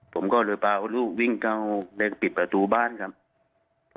ผมก็เลยพาลูกวิ่งเข้าเดินปิดประตูบ้านครับ